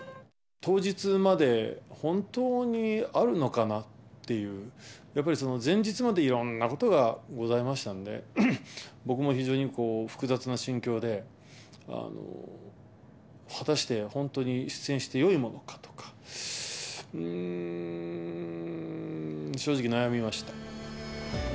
当日まで本当にあるのかなっていう、やっぱり前日まで、いろんなことがございましたので、僕も非常にこう、複雑な心境で、果たして本当に出演してよいものかとか、うーん、正直悩みました。